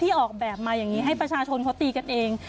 ออกแบบมาอย่างนี้ให้ประชาชนเขาตีกันเอง